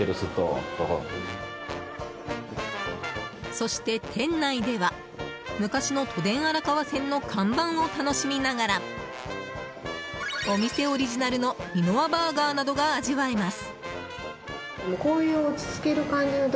そして店内では昔の都電荒川線の看板を楽しみながらお店オリジナルの三ノ輪バーガーなどが味わえます。